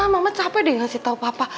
mama capek deh ngasih tahu papa